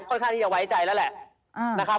ข้างที่จะไว้ใจแล้วแหละนะครับ